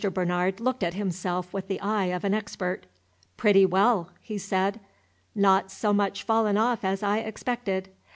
Bernard looked at himself with the eye of an expert. "Pretty well!" he said; "not so much fallen off as I expected."